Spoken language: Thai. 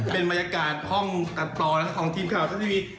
เป็นบรรยากาศห้องการตอบทรีมข่าวทาราฟทีวี